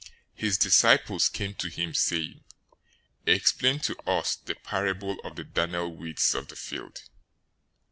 His disciples came to him, saying, "Explain to us the parable of the darnel weeds of the field."